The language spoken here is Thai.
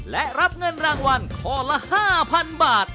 และรับเงินรางวัลข้อละ๕๐๐๐บาท